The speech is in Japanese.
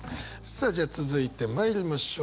さあじゃあ続いて参りましょう。